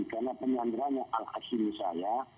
karena penyandang yang alhasi nisaya